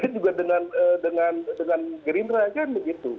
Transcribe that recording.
itu kan bisa jadi juga dengan gerindra kan begitu